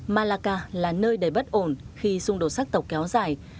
malaca là nơi đầy bất ổn khi xung đột sắc tộc kéo dài